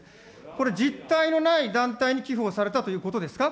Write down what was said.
これ、実体のない団体に寄付をされたということですか、